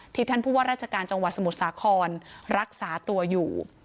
ท่านผู้ว่าราชการจังหวัดสมุทรสาครรักษาตัวอยู่